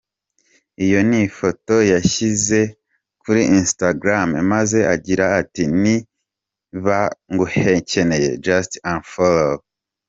Iyo ni yo foto yashyize kuri Instagram maze agira ati: Niba nguheneye just Unfollow.